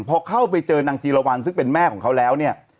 พอเข้าไปเจอนางจีรวรรณซึ่งเป็นแม่ของเขาแล้วเนี่ย